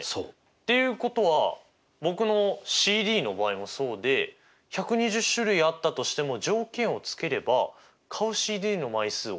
っていうことは僕のＣＤの場合もそうで１２０種類あったとしても条件をつければ買うＣＤの枚数を減らすことができると。